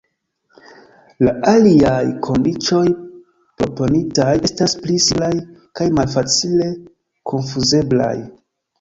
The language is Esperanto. La aliaj kondiĉoj proponitaj estas pli simplaj kaj malfacile konfuzeblaj.